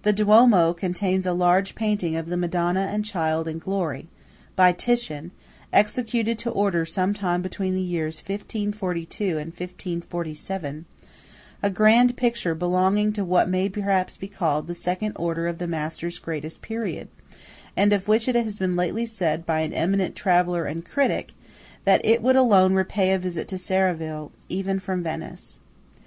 The Duomo contains a large painting of the Madonna and Child in glory, by Titian, executed to order some time between the years 1542 and 1547–a grand picture belonging to what may perhaps be called the second order of the master's greatest period, and of which it has lately been said by an eminent traveller and critic that "it would alone repay a visit to Serravalle, even from Venice."